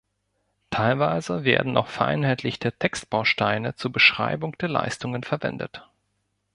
Teilweise werden auch vereinheitlichte Textbausteine zur Beschreibung der Leistungen verwendet.